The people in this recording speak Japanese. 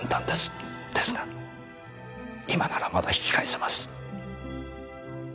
ですが今ならまだ引き返せます。